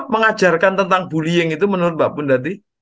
mengajarkan tentang bullying itu menurut mbak pun tadi